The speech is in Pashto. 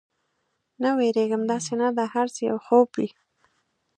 نه، وېرېږم، داسې نه دا هر څه یو خوب وي.